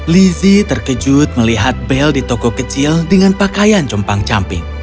lizzie terkejut melihat bel di toko kecil dengan pakaian compang camping